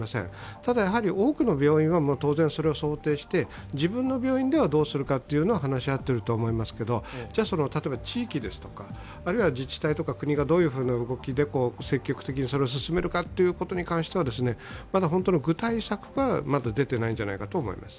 ただ、多くの病院は当然それは想定して自分の病院ではどうするかは話し合ってると思いますけど例えば、地域や自治体とか国がどういう動きで積極的にそれを進めるかということに関してはまだ本当に具体策はでていないと思います。